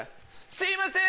すいません！